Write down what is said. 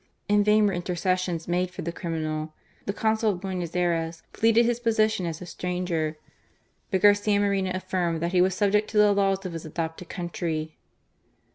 In vain were intercessions made for the criminal. The Consul of Buenos A^f^ pleaded his position as a stranger; but Garcia Moreno affirmed that he was subject to the laws (jf his adopted country.